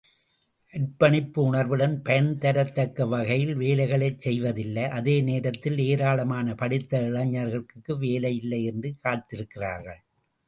அர்ப்பணிப்பு உணர்வுடன் பயன்தரத்தக்க வகையில் வேலைகளைச் செய்வதில்லை, அதேநேரத்தில் ஏராளமான படித்த இளைஞர்களுக்கு வேலையில்லை என்று காத்திருக்கிறார்கள்!